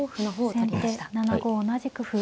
先手７五同じく歩。